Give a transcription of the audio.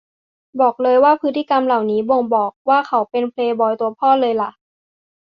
บอกเลยว่าพฤติกรรมเหล่านี้บ่งบอกว่าเขาเป็นเพลย์บอยตัวพ่อเลยล่ะ